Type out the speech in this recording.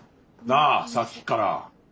なあさっきから。